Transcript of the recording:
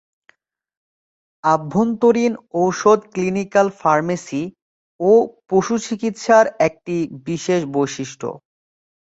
আভ্যন্তরীণ ঔষধ clinical pharmacy ও পশুচিকিৎসার একটি বিশেষ বৈশিষ্ট্য।